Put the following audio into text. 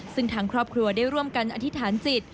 ซึ่งทางครอบครัวได้ร่วมกันอธิษฐานจิต